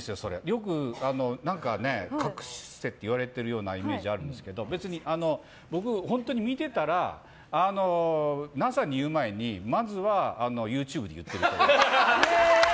よく隠せって言われてるようなイメージあるんですけど別に僕、本当に見てたらＮＡＳＡに言う前にまずはＹｏｕＴｕｂｅで言ってると思う。